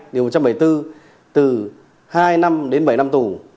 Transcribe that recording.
điều một trăm bảy mươi bốn từ hai năm đến bảy năm tù